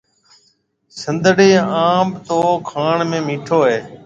سنڌڙِي انڀ تو کاڻ ۾ مِٺو هيَ۔